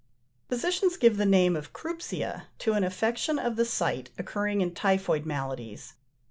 Physicians give the name of "Chrupsia" to an affection of the sight, occurring in typhoid maladies.